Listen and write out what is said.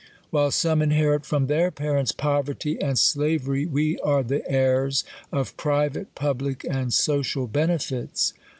While some, inherit from their parents poverty and slavery, we are the heirs of private, public, and social benefits.